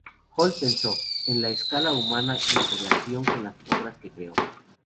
Holt pensó en la escala humana en relación con las obras que creó.